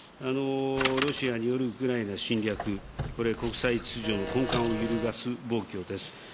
ロシアによるウクライナ侵略、これ、国際秩序の根幹を揺るがす暴挙です。